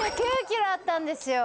７９キロあったんですよ